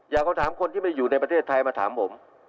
คำถามคนที่ไม่อยู่ในประเทศไทยมาถามผม